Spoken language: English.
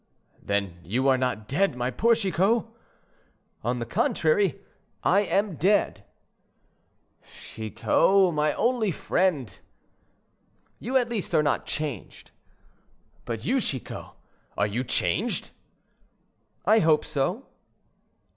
"Then you are not dead, my poor Chicot?" "On the contrary; I am dead." "Chicot, my only friend." "You, at least, are not changed." "But you, Chicot, are you changed?" "I hope so."